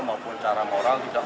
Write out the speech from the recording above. memungkinkan perguruan tinggi ini